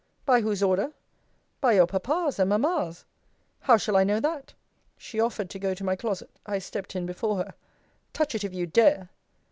By whose order? By your papa's and mamma's. How shall I know that? She offered to go to my closet: I stept in before her: touch it, if you dare.